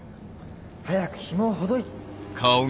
早くひもをほどい。